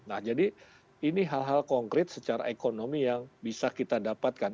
nah jadi ini hal hal konkret secara ekonomi yang bisa kita dapatkan